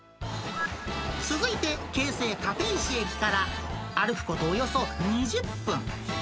続いて、京成立石駅から歩くことおよそ２０分。